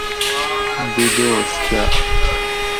دو دوس گاۤ